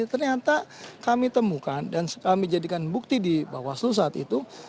ternyata kami temukan dan kami jadikan bukti di bawaslu saat itu